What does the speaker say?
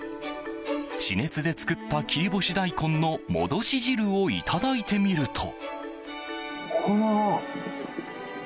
地熱で作った切り干し大根の戻し汁をいただいてみると。